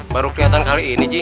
baru kelihatan kali ini ji